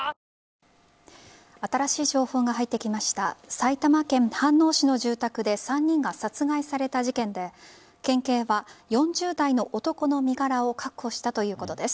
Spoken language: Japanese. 埼玉県飯能市の住宅で３人が殺害された事件で県警は４０代の男の身柄を確保したということです。